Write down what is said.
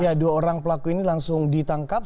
ya dua orang pelaku ini langsung ditangkap